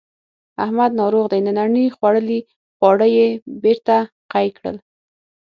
احمد ناروغ دی ننني خوړلي خواړه یې بېرته قی کړل.